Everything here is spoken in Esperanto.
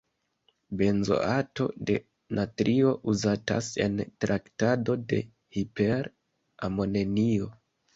Benzoato de natrio uzatas en traktado de hiper-amonenio.